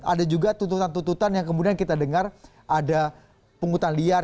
ada juga tuntutan tuntutan yang kemudian kita dengar ada pungutan liar